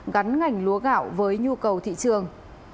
gắn ngành lúa gạo với nhu cầu thị trường